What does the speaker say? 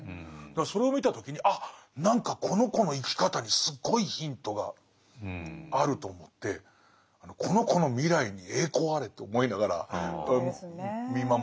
だからそれを見た時に「あ何かこの子の生き方にすごいヒントがある」と思ってこの子の未来に栄光あれと思いながら見守っちゃって。